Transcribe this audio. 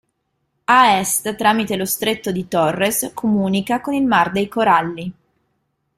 A est tramite lo stretto di Torres comunica con il mar dei Coralli.